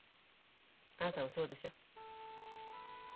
あなたもそうでしょ？